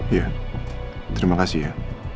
iya terima kasih ya